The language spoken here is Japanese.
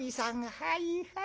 はいはい。